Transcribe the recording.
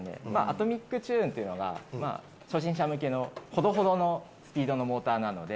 アトミックチューンっていうのが初心者向けのほどほどのスピードのモーターなので。